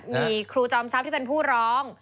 มีครูจอมทรัพย์ที่เป็นผู้ร้อง